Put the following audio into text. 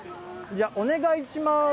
じゃあ、お願いします。